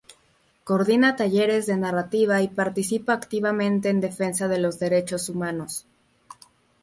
Coordina talleres de narrativa y participa activamente en la defensa de los Derechos Humanos.